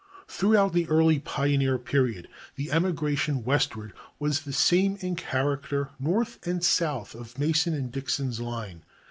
Throughout the early pioneer period the emigration westward was the same in character north and south of Mason and Dixon's line.